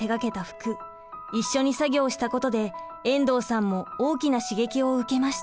一緒に作業したことで遠藤さんも大きな刺激を受けました。